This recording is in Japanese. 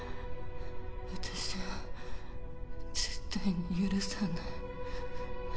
私は絶対に許さない